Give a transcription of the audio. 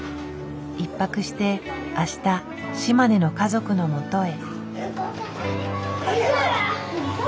１泊して明日島根の家族のもとへ。